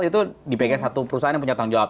itu di pingin satu perusahaan yang punya tanggung jawab